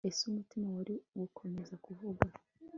Ese umutima wari gukomeza kuvuga